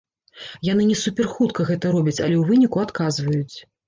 Яны не суперхутка гэта робяць, але ў выніку адказваюць.